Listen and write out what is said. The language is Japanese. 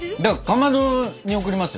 かまどに贈りますよ。